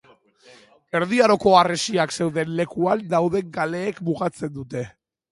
Erdi Aroko harresiak zeuden lekuan dauden kaleek mugatzen dute.